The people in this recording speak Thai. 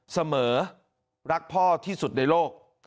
เสมอรักพ่อที่สุดในโลก